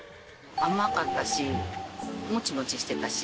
甘かったしモチモチしてたし。